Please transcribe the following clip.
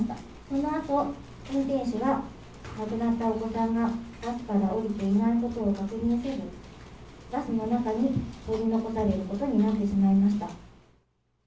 そのあと、運転手が、亡くなったお子さんがバスから降りていないことを確認せず、バスの中に取り残されることになってしまいました。